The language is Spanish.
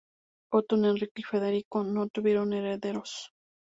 Otón Enrique y Federico no tuvieron herederos.